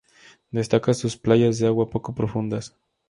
Destaca sus playas de agua poco profundas.